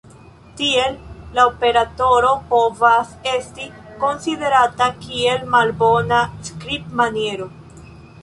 Tiel, la operatoro povas esti konsiderata kiel malbona skribmaniero.